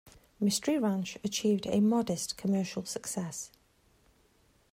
"Mystery Ranch" achieved a modest commercial success.